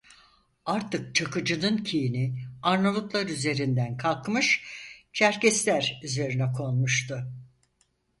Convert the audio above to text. Artık Çakıcı'nın kini Arnavutlar üzerinden kalkmış, Çerkesler üzerine konmuştu.